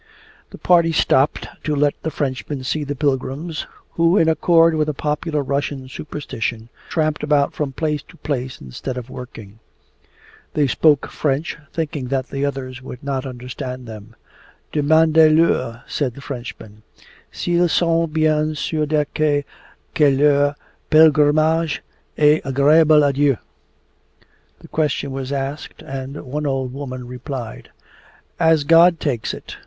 The party stopped to let the Frenchman see the pilgrims who, in accord with a popular Russian superstition, tramped about from place to place instead of working. They spoke French, thinking that the others would not understand them. 'Demandez leur,' said the Frenchman, 's'ils sont bien sur de ce que leur pelerinage est agreable a Dieu.' The question was asked, and one old woman replied: 'As God takes it.